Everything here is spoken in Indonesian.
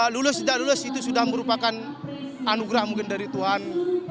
lulus tidak lulus itu sudah merupakan anugerah mungkin dari tuhan